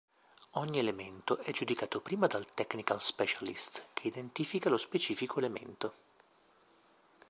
Ogni elemento è giudicato prima dal "technical specialist" che identifica lo specifico elemento.